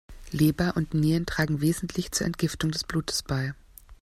Leber und Nieren tragen wesentlich zur Entgiftung des Blutes bei.